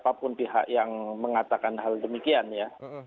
siapa pun pihak yang mengatakan hal demikian ya